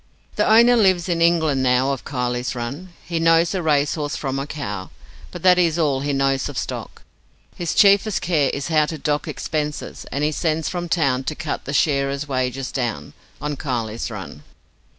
..... The owner lives in England now Of Kiley's Run. He knows a racehorse from a cow; But that is all he knows of stock: His chiefest care is how to dock Expenses, and he sends from town To cut the shearers' wages down On Kiley's Run.